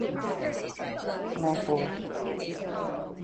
Mathur.